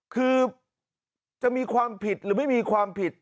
คือจะมีความผิดหรือไม่มีความผิด